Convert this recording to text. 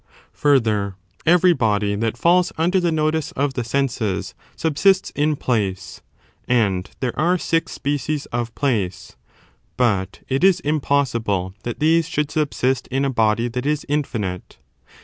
Further, every body that fells under the notice . of the senses subsists in place j^ and there are ^essuy^ub six species of place: but it is impossible that ■*^®®"* these should subsist in a body that is infinite.